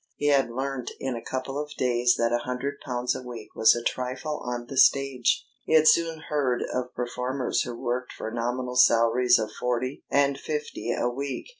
He had learnt in a couple of days that a hundred pounds a week was a trifle on the stage. He had soon heard of performers who worked for "nominal" salaries of forty and fifty a week.